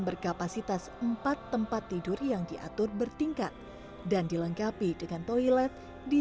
berkapasitas empat tempat tidur yang diatur bertingkat dan dilengkapi dengan toilet di